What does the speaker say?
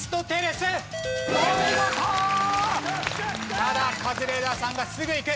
ただカズレーザーさんがすぐいく。